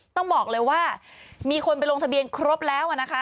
ต้องบอกเลยว่ามีคนไปลงทะเบียนครบแล้วนะคะ